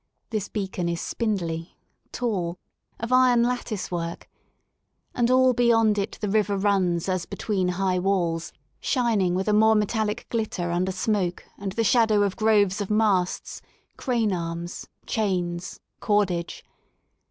This beacon is spindly, tall, of iron lattice work. And all beyond it the river runs as between high walls, shining with a more me tallic glitter under smoke and the shadows of groves of masts, crane arms, chains, cordage.